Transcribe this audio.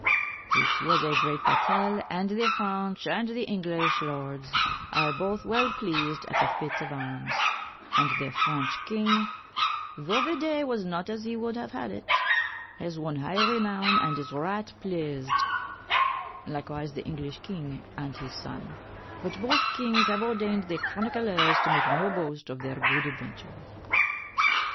It was a great batayle and the Frenche and the Englysshe Lordes are both well pleased at the feats of arms, and the Frenche Kynge, though the day was not as he wolde have had it, has wonne hygh renowne and is ryght pleased likewise the Englysshe Kynge, and his son; but both Kynges have ordayned the chronyclers to make no boast of their good adventure.